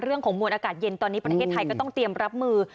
มวลอากาศเย็นตอนนี้ประเทศไทยก็ต้องเตรียมรับมือ